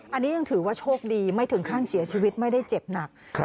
อันนี้ยังถือว่าโชคดีไม่ถึงขั้นเสียชีวิตไม่ได้เจ็บหนัก